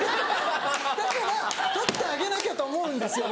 だから取ってあげなきゃと思うんですよ